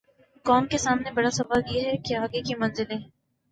قوم کے سامنے بڑا سوال یہ ہے کہ آگے کی منزلیں ہیں۔